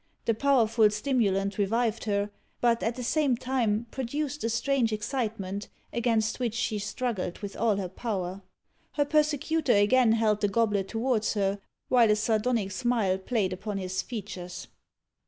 The powerful stimulant revived her, but, at the same time, produced a strange excitement, against which she struggled with all her power. Her persecutor again held the goblet towards her, while a sardonic smile played upon his features.